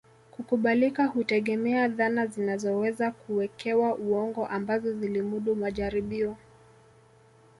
Kukubalika hutegemea dhana zinazoweza kuwekewa uongo ambazo zilimudu majaribio